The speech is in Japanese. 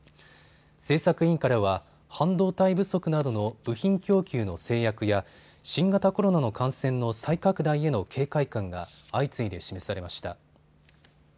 政策委員からは半導体不足などの部品供給の制約や新型コロナの感染の再拡大への警戒感が相次いで示されました。